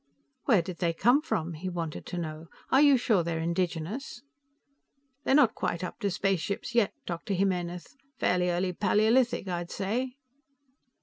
"Where did they come from?" he wanted to know. "Are you sure they're indigenous?" "They're not quite up to spaceships, yet, Dr. Jimenez. Fairly early Paleolithic, I'd say."